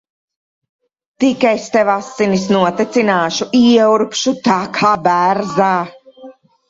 Tik es tev asinis notecināšu. Ieurbšu tā kā bērzā.